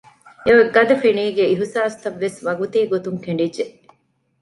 އެއޮތް ގަދަ ފިނީގެ އިހުސާސްތައްވެސް ވަގުތީގޮތުން ކެނޑިއްޖެ